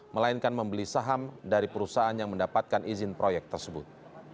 melainkan membeli saham dari perusahaan yang mendapatkan izin proyek tersebut